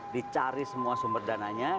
dicari semua sumber dananya